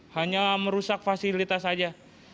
hanya merusak fasilitas saja